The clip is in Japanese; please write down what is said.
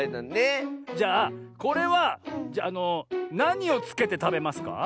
じゃあこれはなにをつけてたべますか？